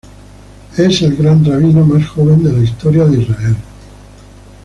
Es el Gran Rabino más joven de la historia israelí.